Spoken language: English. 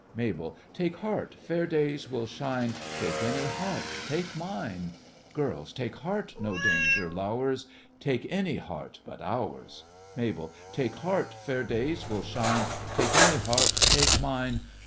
MABEL: Take heart, fair days will shine; Take any heart—take mine! GIRLS: Take heart; no danger low'rs; Take any heart but ours! MABEL: Take heart, fair days will shine; Take any heart—take mine!